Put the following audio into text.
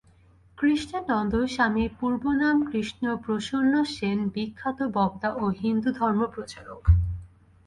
কৃষ্ণনন্দ, স্বামী পূর্বনাম কৃষ্ণপ্রসন্ন সেন, বিখ্যাত বক্তা ও হিন্দুধর্ম-প্রচারক।